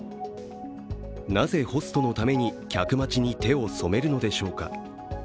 なぜホストのために客待ちに手を染めるのでしょうか。